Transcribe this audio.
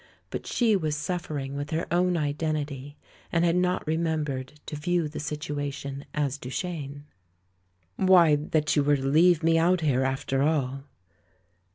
But she was sufFer ing with her own identity and had not remem bered to view the situation as Duchene. "Why, that you were to leave me out here, after all."